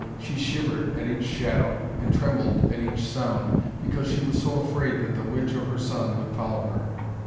She shivered at each shadow, and trembled at each sound, because she was so afraid that the witch or her son would follow her.